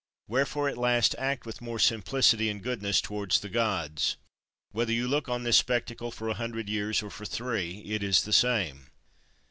Wherefore at last act with more simplicity and goodness towards the Gods. Whether you look on this spectacle for a hundred years or for three it is the same.